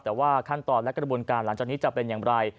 แต่ว่าขั้นตอนและกระบวนการหลังจากนี้จะเป็นอย่างไร